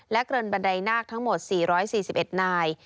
เกินบันไดนาคทั้งหมด๔๔๑นาย